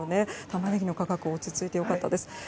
タマネギの価格落ち着いて良かったです。